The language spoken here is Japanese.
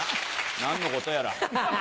何のことやら。